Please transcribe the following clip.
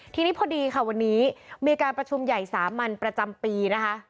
ทีนี้พอดีค่ะวันนี้มีการประชุมใหญ่สามัญประจำปีนะคะ